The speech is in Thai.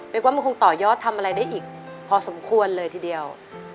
กว่ามันคงต่อยอดทำอะไรได้อีกพอสมควรเลยทีเดียว